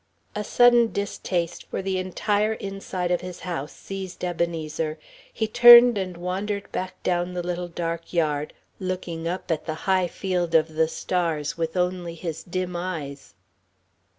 A sudden distaste for the entire inside of his house seized Ebenezer. He turned and wandered back down the little dark yard, looking up at the high field of the stars, with only his dim eyes.